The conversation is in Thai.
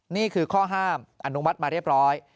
นี่คือข้อห้ามอนุมัติมาเรียบร้อย